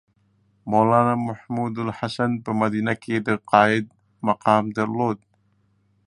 مولنا محمودالحسن په مدینه کې د قاید مقام درلود.